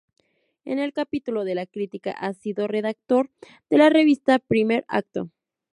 En el capítulo de la crítica, ha sido redactor de la revista "Primer Acto".